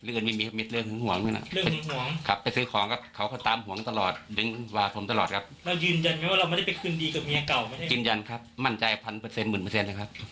ยืนยันครับมั่นใจพันเปอร์เซนหมื่นเปอร์เซน